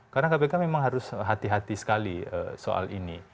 karena kpk memang harus hati hati sekali soal ini